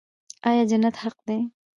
آیا جنت حق دی؟